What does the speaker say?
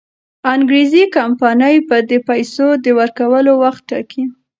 انګریزي کمپانۍ به د پیسو د ورکولو وخت ټاکي.